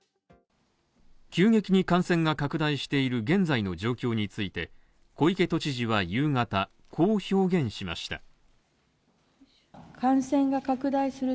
急激に感染が拡大している現在の状況について小池都知事は夕方こう表現しました。